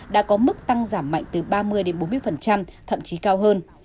đã có mức tăng giảm mạnh từ ba mươi bốn mươi thậm chí cao hơn